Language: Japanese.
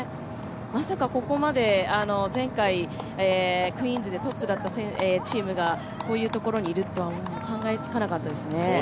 まさかここまで前回、クイーンズでトップだったチームがこういうところにいるとは考えつかなかったですよね。